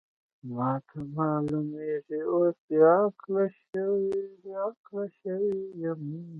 ما ته معلومېږي اوس بې عقله شوې یم.